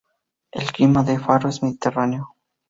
El clima de Faro es mediterráneo.